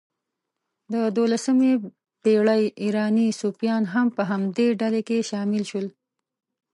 د دوولسمې پېړۍ ایراني صوفیان هم په همدې ډلې کې شامل شول.